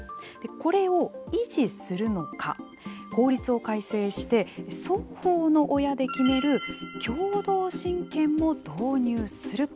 これを維持するのか法律を改正して双方の親で決める共同親権も導入するか。